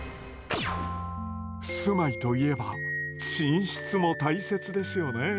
住まいといえば寝室も大切ですよね。